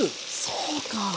そうか！